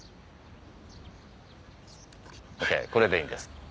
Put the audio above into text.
これでいいんです。